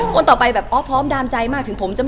คนต่อไปใช่มั้ยคะ